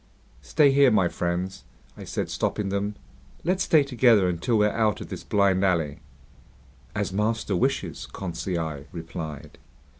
"Stay here, my friends," I said, stopping them. "Let's stay together until we're out of this blind alley." "As master wishes," Conseil replied.